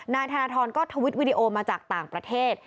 นายธนทรก็ทวิตวิดีโอมาจากต่างประเทศ